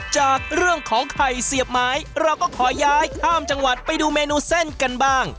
จากเรื่องของไข่เสียบไม้เราก็ขอย้ายข้ามจังหวัดไปดูเมนูเส้นกันบ้าง